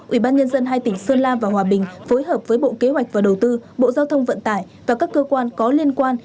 ủy ban nhân dân hai tỉnh sơn la và hòa bình phối hợp với bộ kế hoạch và đầu tư bộ giao thông vận tải và các cơ quan có liên quan